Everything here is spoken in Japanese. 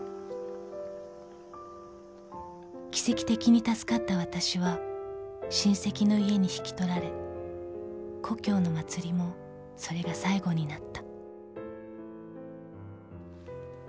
［奇跡的に助かったわたしは親戚の家に引き取られ故郷の祭りもそれが最後になった］